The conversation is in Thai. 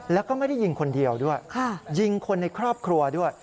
แล้วก็ไม่ได้ยิงคนเดียวด้วยยิงคนในครอบครัวด้วย